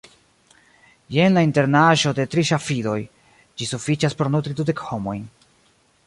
Jen la internaĵo de tri ŝafidoj: ĝi sufiĉas por nutri dudek homojn.